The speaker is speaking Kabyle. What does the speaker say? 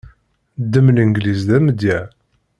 Ddem Langliz d amedya.